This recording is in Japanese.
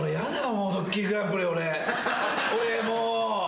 俺もう。